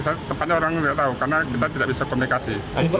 tanya penjelisah tempatnya orang nggak tahu karena kita tidak bisa komunikasi